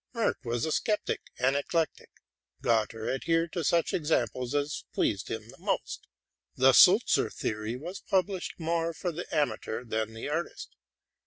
Merck was a sceptic and eclectic: Gotter adhered to such examples as pleased him most. The Sulzer theory was pub lished more for the amateur than the artist.